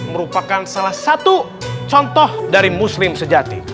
merupakan salah satu contoh dari muslim sejati